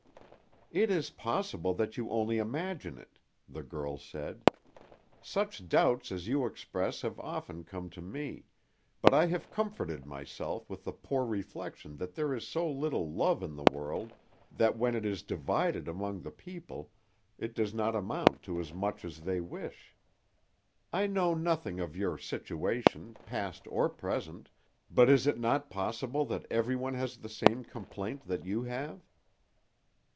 "It is possible that you only imagine it," the girl said. "Such doubts as you express have often come to me, but I have comforted myself with the poor reflection that there is so little love in the world that when it is divided among the people, it does not amount to as much as they wish. I know nothing of your situation, past or present, but is it not possible that everyone has the same complaint that you have?"